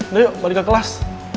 nah yuk balik ke kelas